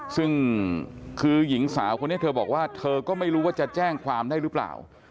ซึ่งคือหญิงสาวคนนี้เธอบอกว่าเธอก็ไม่รู้ว่าจะแจ้งความได้หรือเปล่า